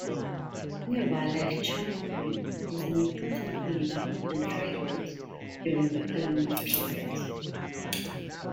Nearby Lake Champlain was an important military and trade route during the colonial period.